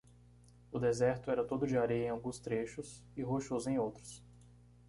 O deserto era todo de areia em alguns trechos? e rochoso em outros.